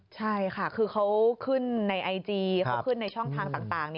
ใช่ค่ะคือเขาขึ้นในไอจีเขาขึ้นในช่องทางต่าง